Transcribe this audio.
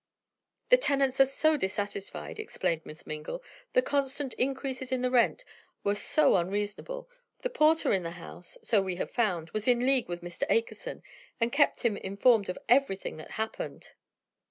"The tenants are so dissatisfied," explained Miss Mingle, "the constant increases in the rent were so unreasonable! The porter in the house, so we have found, was in league with Mr. Akerson, and kept him informed of everything that happened."